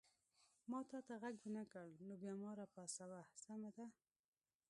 ما تا ته غږ ونه کړ نو بیا ما را پاڅوه، سمه ده؟